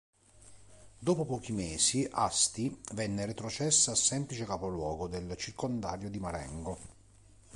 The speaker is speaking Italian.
Dopo pochi mesi Asti venne retrocessa a semplice capoluogo del circondario di Marengo.